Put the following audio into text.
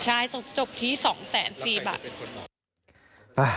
ใช่จบที่สองแสนสี่บาท